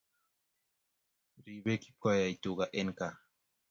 Ripe kipkoech tuka en kaa